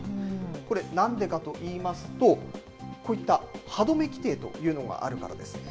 これ、なんでかといいますと、こういったはどめ規定というのがあるからです。